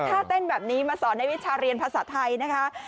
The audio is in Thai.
ถ้าเต้นแบบนี้มาสอนในวิชาเรียนภาษาไทยนะคะ